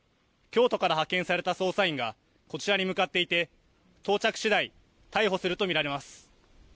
京都から派遣された捜査員がこちらに向かっていて到着しだい、逮捕すると見られます。